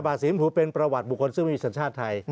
หน้าบัตรสียำพูเป็นประวัติบุคคลซึ่งไม่มีสนชาติไทย